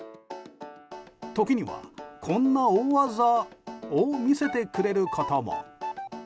時には、こんな大技を見せてくれることも。